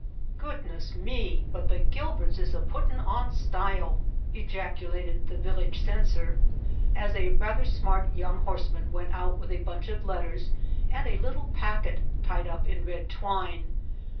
"Goodness me! but the Gilberts is a puttin' on style!" ejaculated the village censor, as a rather smart young horseman went out with a bunch of letters, and a little packet tied up in red twine.